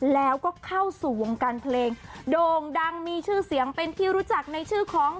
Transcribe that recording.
แล้วก็เข้าสู่วงการเพลงโด่งดังมีชื่อเสียงเป็นที่รู้จักในชื่อของ